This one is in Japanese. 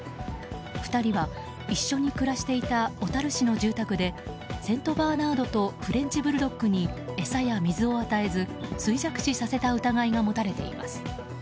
２人は、一緒に暮らしていた小樽市の住宅でセントバーナードとフレンチブルドッグに餌や水を与えず、衰弱死させた疑いが持たれています。